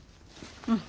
うん。